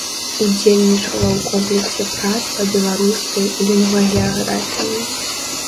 Удзельнічала ў комплексе прац па беларускай лінгвагеаграфіі.